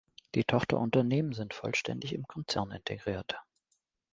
Die Tochterunternehmen sind vollständig im Konzern integriert.